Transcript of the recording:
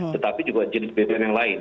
tetapi juga jenis bbm yang lain